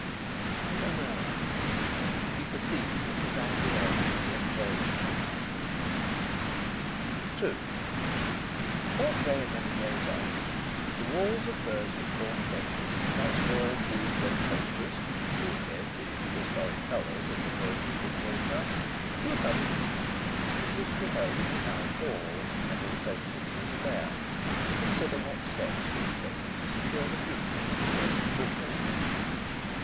"I dunno." She perceived that his idea was yet vague. II Not very many days afterwards the walls of Bursley called attention, by small blue and red posters (blue and red being the historic colours of the Bursley Football Club), to a public meeting, which was to be held in the Town Hall, under the presidency of the Mayor, to consider what steps could be taken to secure the future of the Bursley Football Club.